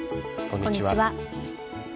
こんにちは。